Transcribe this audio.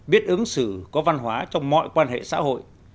biết ứng xử có văn hóa trong mọi quan hệ xã hội